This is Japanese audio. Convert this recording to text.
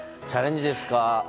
チャレンジですか。